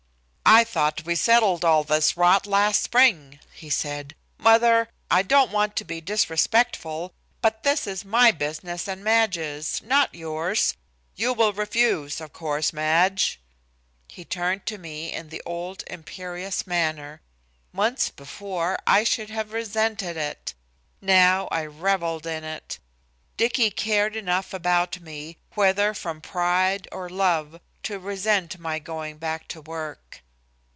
"I thought we settled all this rot last spring," he said. "Mother, I don't want to be disrespectful, but this is my business and Madge's, not yours. You will refuse, of course, Madge." He turned to me in the old imperious manner. Months before I should have resented it. Now I revelled in it. Dicky cared enough about me, whether from pride or love, to resent my going back to my work.